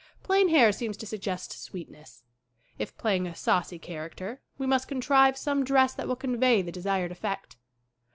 Plain hair seems to suggest sweetness. If playing a saucy character we must contrive some dress that will convey the desired effect.